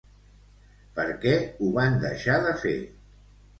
Per què ho van deixar de fer?